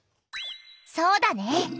そうだね。